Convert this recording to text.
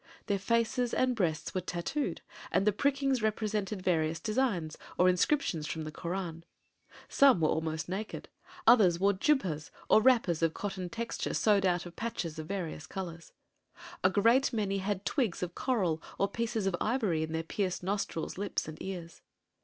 Their faces and breasts were tattooed and the prickings represented various designs, or inscriptions from the Koran. Some were almost naked; others wore "jubhas" or wrappers of cotton texture sewed out of patches of various colors. A great many had twigs of coral or pieces of ivory in their pierced nostrils, lips and ears.